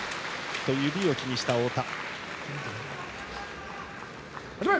指を気にした太田。